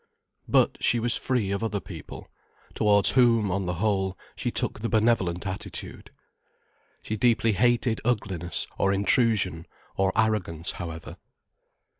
But she was free of other people, towards whom, on the whole, she took the benevolent attitude. She deeply hated ugliness or intrusion or arrogance, however.